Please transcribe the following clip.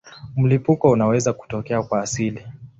Mlipuko unaweza kutokea kwa asili.